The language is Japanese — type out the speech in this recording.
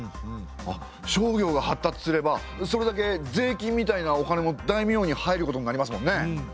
あっ商業が発達すればそれだけ税金みたいなお金も大名に入ることになりますもんね。